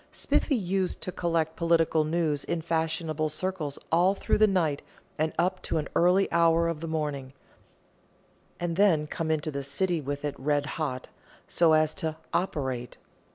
Spiffy used to collect political news in fashionable circles all through the night and up to an early hour of the morning, and then come into the City with it red hot, so as to "operate."